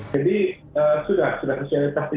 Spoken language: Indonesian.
jadi sudah sudah keselitasi